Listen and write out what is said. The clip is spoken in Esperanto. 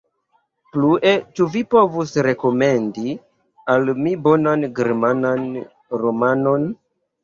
Plue, ĉu vi povus rekomendi al mi bonan germanan romanon?